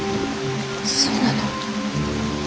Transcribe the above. そうなの？